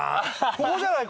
ここじゃない？